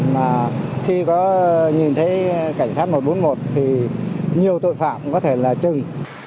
mà khi có nhìn thấy cảnh sát một trăm bốn mươi một thì nhiều tội phạm có thể là trừng